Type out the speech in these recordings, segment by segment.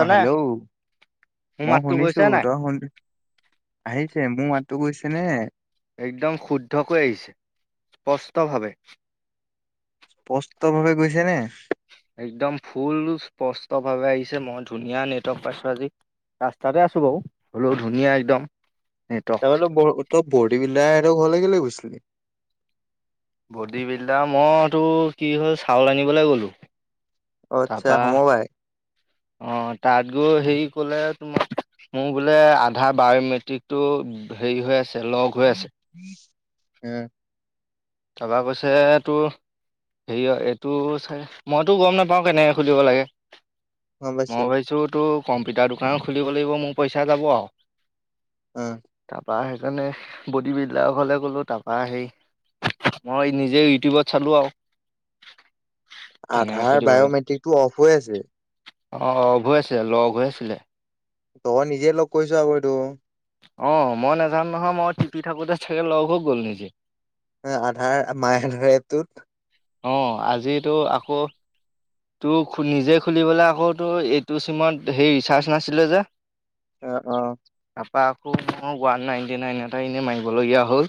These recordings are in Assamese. অ' হেল্ল' মোৰ মই মাতটো শুনিছো। গৈছে নাই তই শুন আহিছে, মোৰ মাতটো গৈছে নে? একদম শুদ্ধকৈ আহিছে স্পষ্ট ভাৱে। স্পষ্ট ভাৱে গৈছে নে একদম ফুল স্পষ্ট ভাৱে আহিছে, মই ধুনীয়া নেটৱৰ্ক পাইছো আজি। ৰাস্তাতে আছো বাৰু, হ'লেও ধুনীয়া একদম। নেটৱৰ্ক তাৰমানে বৰষুণ, তই ব'ডী বিল্ডাৰ হ'তৰ ঘৰলৈ কেলৈ গৈছিলি? বডী বিল্ডাৰ, মইতো কি হ'ল চাউল আনিবলৈ গ'লো। অ আচ্ছা তাৰপা, সমবায় অ' তাত গৈ হেৰি ক'লে তোমাক মোৰ বোলে আধাৰ বায়মেট্ৰিকটো হেৰি হৈ আছে লক হৈ আছে। উম। তাৰপৰা কৈছে তোৰ হেৰিয় এইটো চাই মইতো গ'ম নাপাওঁ কেনেকৈ খুলিব লাগে। গম মই পাইছো ভাবিছোঁ তোৰ কম্পিউটাৰ দোকান খুলিব লাগিব মোৰ পইচা যাব আৰু। অ'। তাৰপৰা সেইকাৰণে বডী বিল্ডাৰৰ ঘৰলে গ'লোঁ। তাৰপৰা সেই মই নিজেই ইউটিউবত চালো আৰু। কেনেকে আধাৰ বায়'মেট্ৰিক টো অফ হৈ আছে। অঁ অফ হৈ আছিলে লক হৈ আছিলে। তই নিজে লক কৰিছ আকৌ এইটো। অ' মই নোযানো নহয়, মই টিপি থাকোঁতে চাগে লক হৈ গ'ল নিজে। আধাৰ মায় আধাৰ এ'পটো অঁ আজিতো আকৌ তোৰ নিজে খুলিবলৈ আকৌ তোৰ এইটো চিমত সেই ৰিচাৰ্জ নাছিলে যে। এ অ'। তাৰাপা আকৌ মই ওৱান নাইনটি নাইন এটা এনেই মাৰিবলগীয়া হ'ল।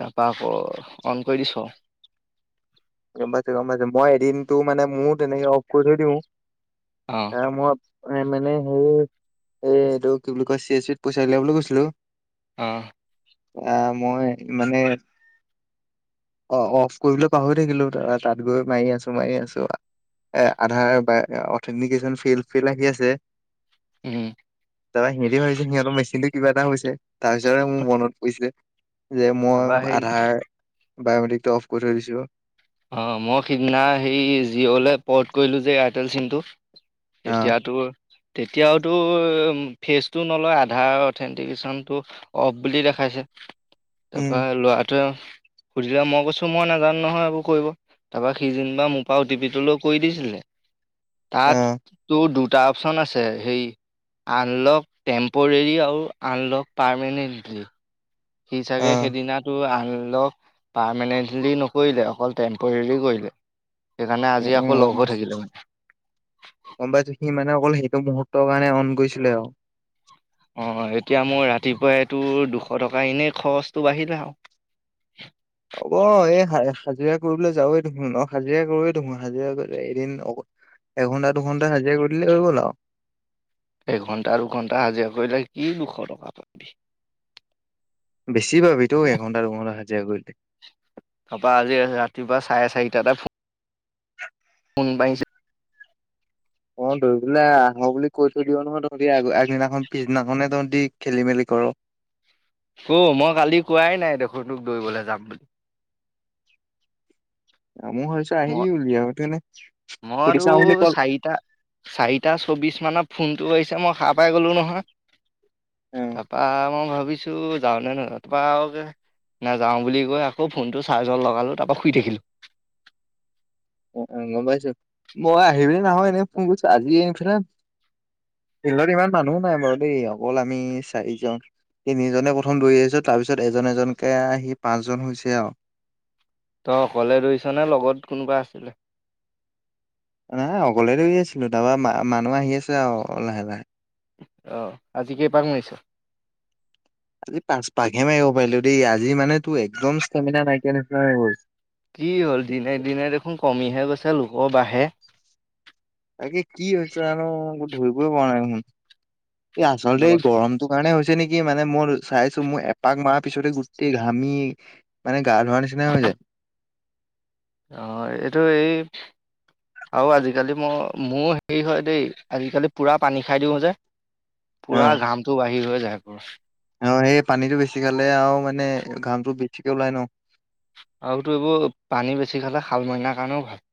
তাৰপৰা আকৌ অ'ন কৰি দিছোঁ। গ'ম পাইছো গ'ম পাইছো মই এদিনতটো মানে ময়ো তেনেকে অফ কৰি থৈ দিওঁ। অ'। এ, মোৰ এ-মানে সেই এ-এইটো কি বুলি কয় চি এ চত পইছা উলিয়াবলৈ গৈছিলোঁ। অ'। আহ, মই মানে-অ-অফ কৰিবলে পাহৰি থাকিলো, তাৰ-তাত গৈ মাৰি আছোঁ, মাৰি আছোঁ, এ-আধাৰ বা অথেণ্টিকেশচন ফেইল্ড ফেইল্ড আহি আছে, উম তাৰপৰা সিহঁতে ভাবিছে সিহঁতৰ মেচিনটো কিবা এটা হৈছে, তাৰপিছতে মোৰ মনত পৰিছে, যে তাৰপা মই সেই আধাৰ বাইঅ'মেত্ৰিকটো অফ কৰি থৈ দিছোঁ। অ', মই সিদিনা হেই জিঅ'লে পৰ্ট কৰিলোঁ যে এয়াৰটেল চিমটো, অ এতিয়াতো তেতিয়াওতো ফেচটো নলয়, আধাৰ অথেণ্টিকেশ্যনটো অফ বুলি দেখাইছে। উম তাৰপৰা ল'ৰাটোৱে সুধিলে, মই কৈছোঁ মই নাজানো নহয় এইবোৰ। কৰিব, তাৰপৰা সি যেনিবা মোৰ পৰা অ টি পিটো লৈ কৰি দিছিলে। অ তাত তোৰ দুটা অপচন আছে, হেৰি আনলক টেম্পৰেৰী আৰু আনলক পাৰমানেণ্টলি। সি অ চাগে সেইদিনা টো আনলক পাৰমানেন্টলি নকৰিলে, অকল টেম্পৰেৰী কৰিলে। সেইকাৰণে উম আজি উম আকৌ গম লক হৈ থাকিলে মানে। গম পাইছো, সি মানে অকল সেইটো মুহূৰ্তৰ কাৰণে অন কৰিছিলে আও। অ', এতিয়া মোৰ ৰাতিপুৱাই এইটো দুশ টকা এনেই খৰছটো বাঢ়িলে আও। হ'ব, এই হা-হাজিৰা কৰিবলৈ যাৱৱে দেখোন, ন'? হাজিৰা কৰয়ে দেখোন হাজিৰা কৰি এদিন অক এঘণ্টা দুঘণ্টা হাজিৰা কৰি দিলে হৈ গ'ল আও। এঘন্টা দুঘণ্টা হাজিৰা কৰিলে কি দুশ টকা পাবি? বেছি পাবি তো, এঘণ্টা দুঘণ্টা হাজিৰা কৰি দিলে। তাপা আজি ৰাতিপুৱা চাৰে চাৰিটাতে ফু ফোন মাৰিছে অ', ধৰি পেলাই আহোঁ বুলি কৈ থৈ দিয় নহয় তহঁতি আগ-আগদিনাখন, পিছদিনাখনহে তহঁতি খেলি মেলি কৰ'। ক', মই কালি কোৱাই নাই দেখোন তোক দৌৰিবলৈ যাম বুলি! আ, মই ভাবিছোঁ আহিবি বুলিলিয়ে আও তেনে মোৰ উঠো চাৰিটা। চাৰিটা চৌবিছ মানত ফোনটো আহিছে, মই সাৰ পাই গলোঁ নহয়! অ তাৰপা মই ভাবিছোঁ যাওঁ নে নাযাওঁ, তাৰপা আৰু যে নাযাওঁ বুলি কৈ আকৌ ফোনটো চাৰ্জত লগালোঁ, তাৰপা শুই থাকিলোঁ। অ', গম পাইছোঁ। মই আহিবি নে নাহ' এনেই ফ্ন কইছো আজি [unintelligible] ফিল্ডত ইমান মানুহো নাই বাৰু দেই, অকল আমি চাৰিজন। তিনিজনে প্ৰথম দৌৰি আহিছোঁ, তাৰ পিছত এজন এজনকে আহি পাঁচজন হৈছে আও। তই অকলে দৌৰিছ নে লগত কোনোবা আছিলে? নাই, অকলেই দৌৰি আছিলোঁ। তাৰপা মা-মানুহ আহি আছিলে আৰু লাহে লাহে। অ, আজি কেইপাক মাৰিছ? আজি পাঁচ পাকহে মাৰিব পাৰিলো দেই, আজি মানে তোৰ একদম ষ্টেমিনা নাইকিয়া নিচিনা হৈ গ'ল। কি হ'ল, দিনে দিনে দেখোন কমিহে গৈছে, লোকৰ বাঢ়ে! তাকে কি হৈছে জানো, একো ধৰিবই পৰা নাই দেখোন, এই আচলতে দহ এই গৰম সেইটো কাৰণে হৈছে নেকি, মানে মোৰ চাইছোঁ, মোৰ এপাক মাৰা পিছতে গোটেই ঘামি মানে গা ধোৱাৰ নিচিনা হৈ যায়। অ', এইটো এই আৰু আজিকালি মই-মোৰ হেৰি হয় দেই, আজিকালি পুৰা পানী খাই দিওঁ যে। পুৰা ঘামটো বাহিৰ হৈ যায়। [inaudible] অ', সেই পানীটো বেছি খালে আও মানে ঘামটো বেছিকে ওলাই ন'? আৰুটো এইবোৰ পানী বেছি খালে শালমইনাৰ কাৰণেও ভাল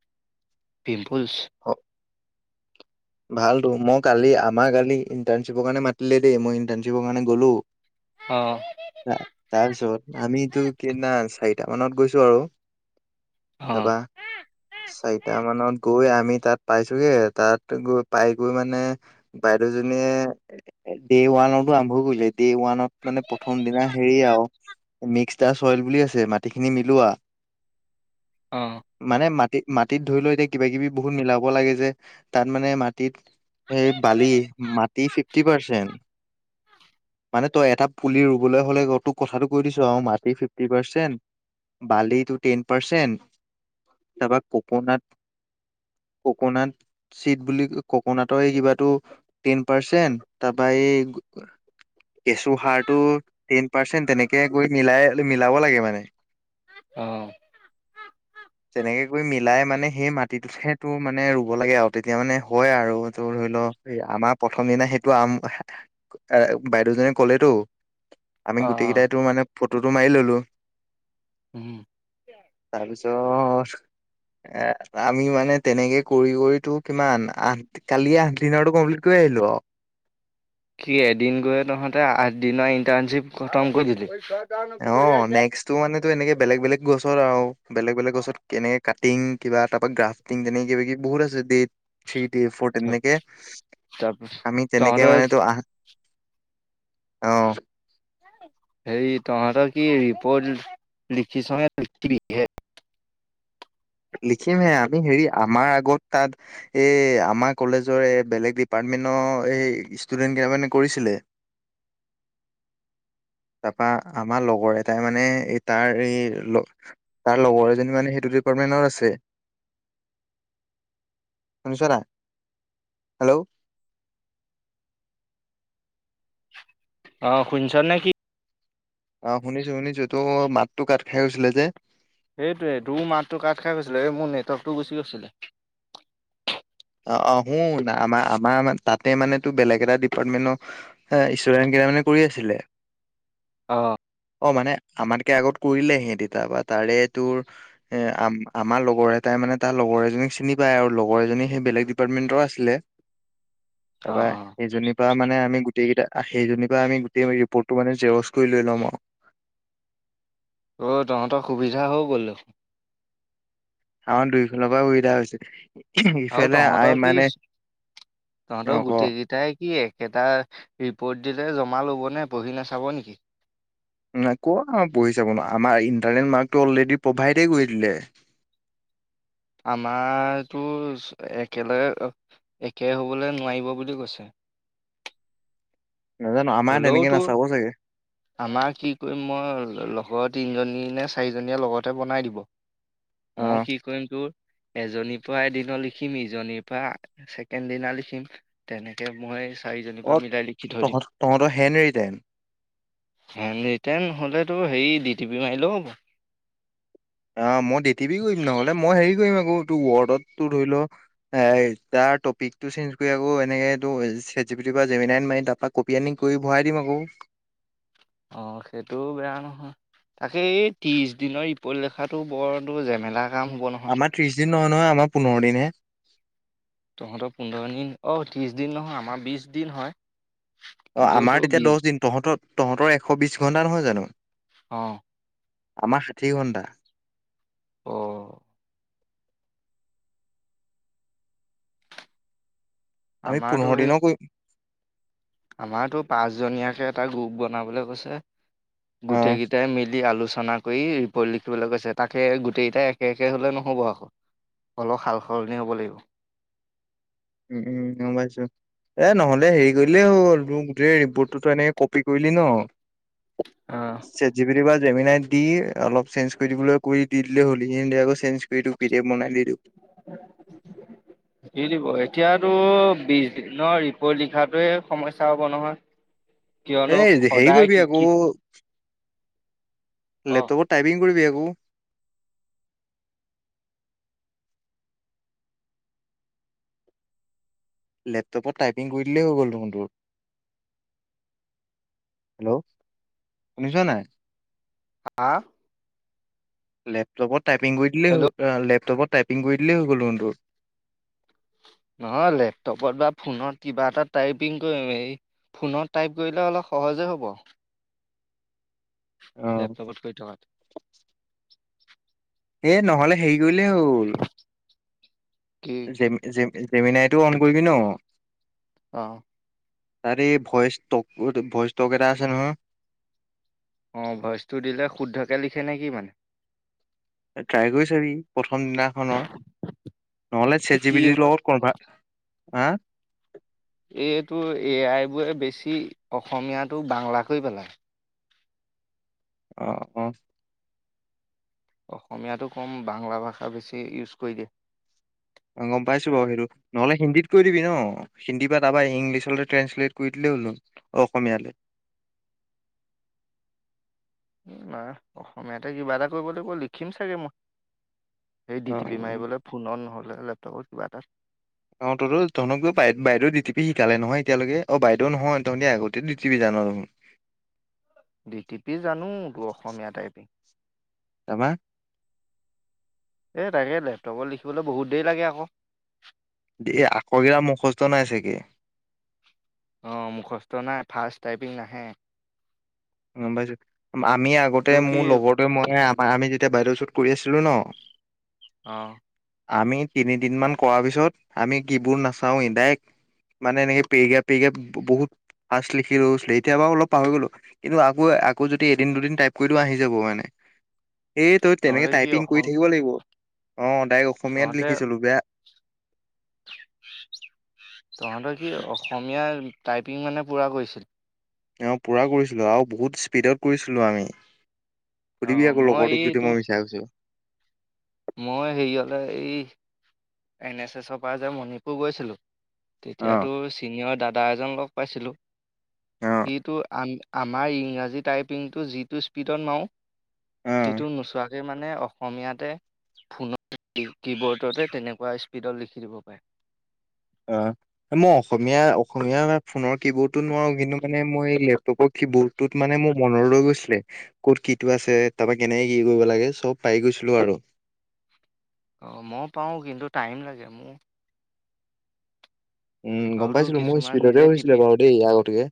পিম্পুলছ। [inaudible] ভালতো মই কালি আমাৰ কালি ইণ্টাৰ্ণশ্বিপৰ কাৰণে মাতিলে দেই মই ইণ্টাৰ্ণশ্বিপৰ কাৰণে গ'লো। অ'। তাৰপিছত আমিতো সিদনা চাৰিটা মানত গৈছোঁ আৰু। অ তাৰপা চাৰিটা মানত গৈ আমি তাত পাইছোঁগে তাত গৈ পাই গৈ মানে বাইদেউজনীয়ে ডে ওৱানৰতো আৰম্ভ কৰিলে ডে ওৱানত মানে প্ৰথম দিনা হেৰি আৰু মিক্সটাস্ক অইল বুলি আছে মাটিখিনি মিলোৱা। অ'। মানে মাটিত, মাটিত ধৰি লৈ এতিয়া কিবা কিবি বহুত মিলাব লাগে যে তাত মানে মাটিত এই বালি মাটি ফিফটি পাৰ্চেণ্ট। [inaudible] মানে তই এটা পুলি ৰুবলৈ হ'লে তোক কথাটো কৈ দিছোঁ আৰু মাটি ফিফটি পাৰ্চেণ্ট বালিটো টেন পাৰ্চেণ্ট, তাৰপা ক'কনাত ক'কণাত চিড বুলি ক'কনাতৰ এই কিবাটো টেন পাৰ্চেন্ট তাৰপা এই কেঁচুসাৰটো টেন পাৰ্চেণ্ট তেনেকে গৈ মিলাই মিলাব লাগে মানে। অ'। তেনেকে কৰি মিলাই মানে সেই মাটিটোতহে তোৰ মানে ৰুব লাগে আৰু। তেতিয়া মানে হয়, আৰু তোৰ ধৰি ল' আমাৰ প্ৰথম দিনা সেইটো আম বাইদেউজনীয়ে ক'লেতো। আমি অ অ গোটেইকিটাইতো মানে ফটোটো মাৰি ল'লো। উম। তাৰপিছত এ, আমি মানে তেনেকে কৰি, কৰি তোৰ কিমান আঠ কালিয়ে আঠদিনৰটো কমপ্লিট কৰি আহিলোঁ অ'। কি এদিন গৈয়ে তহঁতে আঠদিনৰ ইণ্টাৰ্ণশ্বিপ খতম কৰি দিলি! অ', নেক্সটটো মানেটো এনেকে বেলেগ, বেলেগ গছৰ আৰু বেলেগ, বেলেগ গছত কেনেকে কাটিং কিবা তাৰপা গ্ৰাফ্টিং তেনেক কিবা কিবি বহুত আছে ডে থ্ৰী ডে ফৌৰ তেনেকে তাৰপিছত আমি তেনেকে তহঁতৰ মানে আহ অ'। হেৰি তহঁতৰ কি ৰিপ'ৰ্ট লিখিছহে [unintelligible] লিখিমহে, আমি হেৰি আমাৰ আগত তাত এ, আমাৰ কলেজৰে বেলেগ ডিপাৰ্টমেন্টৰ এ, ষ্টুডেন্ট কেইটামানে কৰিছিলে। আ তাৰপা আমাৰ লগৰ এটাই মানে এই তাৰ এই লগ তাৰ লগৰ এজনী মানে সেইটো ডিপাৰ্টমেন্টৰ আছে। শুনিছ নাই, হেল্ল'! অ', শুনিছ নেকি? অ', শুনিছোঁ, শুনিছোঁ তোৰ মাতটো কাট খাই গৈছিলে যে। সেইটোৱে তোও মাতটো কাট খাই গৈছিলে, এই মোৰ নেটৱৰ্কটো গুচি গৈছিলে। অ', আহ, শুন আমাৰ, আমাৰ তাতে মানে তোৰ বেলেগ এটা ডিপাৰ্টমেন্টৰ হা, ষ্টুডেণ্ট কেটামানে কৰি আছিলে! অ'। অ', মানে আমাতকে আগত কৰিলে সিঁহেতে তাবা তাৰে তোৰ এ, আম-আমাৰ লগৰ এটাই মানে তাৰ লগৰ এজনীক চিনি পায় আৰু লগৰ এজনী সেই বেলেগ ডিপাৰ্টমেণ্টৰ আছিলে, অ', তাৰপা অ', সেইজনী পা মানে আমি গোটেইকিটাই সেইজনী পা আমি গোটেই ৰিপৰ্টটো মানে জেৰক্স কৰি লৈ ল'ম আৰু। অ', তহঁতৰ সুবিধা হৈ গ'ল দেখোন। আমাৰ দুইফালৰ পৰা সুবিধা হৈছে। আৰু ইফালে আই তহঁতৰ কি মানে অ তহঁতৰ ক গোটেই কেইটাই কি এ একেটা ৰিপৰ্ট দিলে জমা ল'বনে, পঢ়ি নাচাব নেকি? নাই ক'ত আমাৰ বহি চাব ন', আমাৰ ইণ্টাৰনেট মাৰ্কটো অলৰেডি প্ৰভাইডে কৰি দিলে। আমাৰতো একেলগ একে হ'বলৈ নোৱাৰিব বুলি কৈছে। নাজানো। আমাৰ হ'লেও তেনেকে তোৰ নাচাব চাগে। আমাৰ কি কৰিম মই লগৰ তিনিজনী নে চাৰিজনীয়ে লগতে বনাই দিব। অ মই কি কৰিম তোৰ এজনী পুৱা এদিনো লিখিম, ইজনীৰ পৰা ছেকেণ্ড দিনা লিখিম তেনেকে মই চাৰিজনীৰ অ পৰা মিলাই লিখি থৈ দিম। তহঁত তহঁতৰ হেনৰিটেন? হেনৰিটেন নহ'লে তোৰ হেৰি ডি টি পি মাৰিলেও হ'ব। অ' মই ডি টি পি কৰি দিম, নহ'লে মই হেৰি কৰিম আকৌ তোৰ বডৰ্ত তোৰ ধৰি ল এ, তাৰ টপিকটো চেঞ্জ কৰি আকৌ এনেকে তোৰ চেট জিপিটিৰপৰা জেমিনাইত মাৰি তাপাক কপি আনি কৰি ভৰাই দিম আকৌ। অ' সেইটোও বেয়া নহয়। তাকে এই ত্ৰিশ দিনৰ ৰিপৰ্ট লেখাটো বৰ জেমেলা কাম হ'ব নহয়। আমাৰ ত্ৰিছদিন নহয় নহয়, আমাৰ পোন্ধৰ দিনহে। তহঁতৰ পোন্ধৰ দিন। অ' ত্ৰিশ দিন নহয় আমাৰ বিশ দিন হয়। অ' কিন্তু আমাৰ তোৰ তেতিয়া বিছ দহদিন। তহঁতৰ তহঁতৰ এশ বিশ ঘণ্টা নহয় জানো? অ'। আমাৰ ষাঠি ঘণ্টা। অ'। আমি আমাৰতো পোন্ধৰ সেই দিনৰ কৰিম। আমাৰতো পাঁচজনীয়াকে এটা গ্ৰুপ বনাবলৈ কৈছে। অ গোটেইকেইটাই মিলি আলোচনা কৰি পঢ়ি লিখিবলৈ কৈছে। তাকে গোটেইকেইটাই একে একে হ'লে নহ'ব আকৌ, অলপ সাল সলনি হ'ব লাগিব। উম, উম, গম পাইছোঁ। এ, নহ'লে হেৰি কৰিলেই হ'ল তোৰ গোটেই ৰিপৰ্টটোতো এনেকে কপি কৰিলি ন' অ'। চেট জিপিটি বা জেমিনাইত দি অলপ চেঞ্জ কৰি দিবলৈ কবি, দি দিলে হ'ল আকৌ চেঞ্জ গোটেইটো পি ডি এফ বনাই দি দিওঁ [inaudible] দি দিব। এতিয়াতো বিছদিনৰ ৰিপৰ্ট লিখাটোয়ে সমস্যা হ'ব নহয়। কিয়নো এই হেৰি সদায় কৰিবি কি আকৌ কি ক লেপটপত টাইপিং কৰিবি আকৌ। লেপটপত টাইপিং কৰি দিলেই হৈ গ'ল দেখোন তোৰ। হেল্ল'। শুনিছ নে নাই? হা? লেপটপত টাইপিং কৰি দিলেই হ'ল, হেল্ল' লেপটপত টাইপিং কৰি দিলেই হৈ গ'ল দেখোন তোৰ। নহয় লেপটপত বা ফোনত কিবা এটা টাইপিং কৰিবি। ফোনত টাইপ কৰিলে অলপ সহজেই হ'ব। অ লেপটপত কৰি থকাতকে। এ, নহ'লে হেৰি কৰিলেই হ'ল কি জেম জে জেমিনাইটো অন কৰিবি ন'? অ'। তাৰে এই ভইচ টক, ভইচ টক এটা আছে নহয়? অ' ভইচটো দিলে শুদ্ধকে লিখে নেকি মানে? ট্ৰাই কৰি চাবি প্ৰথম দিনাখনৰ। নহ'লে চেট কি জিপিটিৰ হয় লগত কনভা হা? এইটো এ আইবোৰে বেছি অসমীয়াটো বাংলা কৰি পেলায়। অ', অ'। অসমীয়াটো ক'ম বাংলা ভাষা বেছি ইউজ কৰি দিয়ে। অ' গ'ম পাইছো বাৰু সেইটো নহ'লে হিন্দীত কৈ দিবি ন। হিন্দীৰ পৰা তাৰ পৰা ইংলিছলৈ ট্ৰেঞ্চলেট কৰি দিলে হ'ল ন অসমীয়ালৈ। উম, না অসমীয়াতে কিবা এটা কৰিব লাগিব লিখিম চাগে মই। সেই ডি অ টি পি অ মাৰিবলৈ ফোন হ'লে লেপটপৰ কিবা এটা। অ' তঁত বাই বাইদেওয়ে ডি টি পি শিকালে নহয় এতিয়ালৈকে অ' বাইদেউ নহয় তহঁতি আগতে ডি টি পি জান। ডি টি পি জানো ত অসমীয়া টাইপিং। তাবা এই তাকে লেপটপত লিখিবলৈ বহুত দেৰি লাগে আকৌ। এই আখৰ কেইটা মুখস্থ নাই চাগে। অ' মুখস্থ নাই ফাষ্ট টাইপিং নাহে। গ'ম পাইছো আমি আগতে তোৰ কি মোৰ লগৰতে মই আম আমি যেতিয়া ব্ৰাইডেল শ্বুট কৰি আছিলো ন অ' আমি তিনিদিন মান কৰাৰ পিছত আমি কীৱৰ্ড নাচাওয়ে ডাইৰেক মানে এনেকে পেৰিগা পেৰিগা বহুত ফাৰ্ষ্ লিখ লৈছিলো এতিয়া বাৰু অলপ পাহৰি গ'লো। কিন্তু আকৌ আকৌ যদি এদিন দুদিন টাইপ কৰি দিও আহি যাব মানে। এই তই তেনেকে তহঁতে কি টাইপিং কৰি অসম থাকিব লাগিব অ' ডাইৰেক্ট অসমীয়াত তহঁতে লিখি চলো বেয়া তহঁতৰ কি অসমীয়া টাইপিং মানে পুৰা কৰিছিল। তেওঁ পুৰা কৰিছিলোঁ আৰু বহুত স্পীডত কৰিছিলোঁ আমি। সুধিবি অ' আকৌ মই লগৰটোক যদি এইটো মিছা কৈছো। মই হেৰি হলে এই এন এছ এছৰ পৰা যে মণিপুৰ গৈছিলোঁ। অ তেতিয়াতো চিনিয়ৰ দাদা এজন লগ পাইছিলোঁ অ সেইটো আ আমাৰ ইংৰাজী টাইপিংটো যিটো স্পীডত মাৰোঁ সিটো অ নোচোৱাকে মানে অসমীয়াতে ফোনত কিবৰ্ডতে তেনেকুৱা স্পীডত লিখি দিব পাৰে। অ'। মই অসমীয়া অসমীয়া ফোনৰ কি বোৰ্ডটো নোৱাৰো কিন্তু মানে মই লেপটপৰ কীবৰ্ড তটোত মানে মোৰ মন লৈ গৈছিলে। ক'ত কি টো আছে তাৰ পৰা কেনেকে কি কৰিব লাগে চ'ব পাই গৈছিলো আৰু। অ' মই পাওঁ কিন্তু টাইম লাগে মোৰ। উম, গ'ম আৰুতো পাইছিলো মোৰ কিছুমান নিজে স্পীডতে টিপি হৈছিলে বাৰু দেই আগতকে।